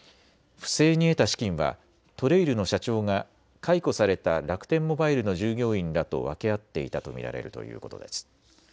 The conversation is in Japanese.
不正に得た資金はＴＲＡＩＬの社長が解雇された楽天モバイルの従業員らと分け合っていたと見られるということです。